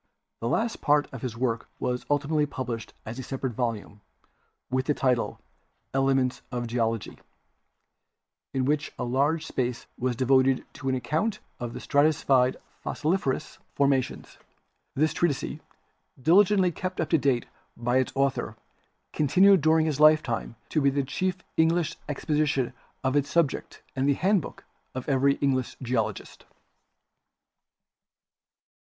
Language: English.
The last part of this work was ultimately published as a separate volume, with the title of "Elements of Geology," in which a large space was devoted to an account of the stratified fossiliferous 74 GEOLOGY formations. This treatise, diligently kept up to date by its author, continued during his lifetime to be the chief Eng lish exposition of its subject and the handbook of every English geologist.